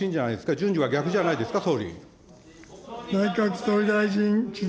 順序が逆じゃないですか、総理。